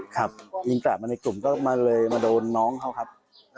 ครับยิงกระดาษมาในกลุ่มก็มาโดนน้องเขาครับ